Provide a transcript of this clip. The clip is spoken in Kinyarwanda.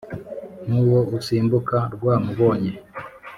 ntuwo usimbuka rwa mubonye